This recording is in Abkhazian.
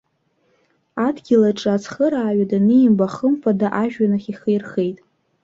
Адгьыл аҿы цхырааҩы данимба, хымԥада, ажәҩан ахь ихы ирхеит.